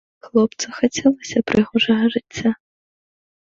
Хлопцу хацелася прыгожага жыцця.